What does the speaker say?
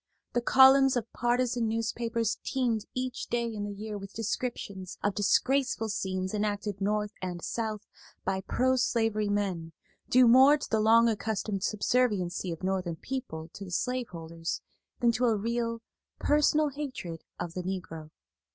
The columns of partisan newspapers teemed each day in the year with descriptions of disgraceful scenes enacted North and South by pro slavery men, due more to the long accustomed subserviency of Northern people to the slaveholders than to a real, personal hatred of the Negro.